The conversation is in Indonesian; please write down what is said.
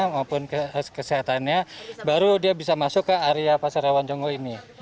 maupun kesehatannya baru dia bisa masuk ke area pasar hewan jonggo ini